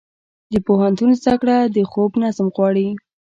د پوهنتون زده کړه د خوب نظم غواړي.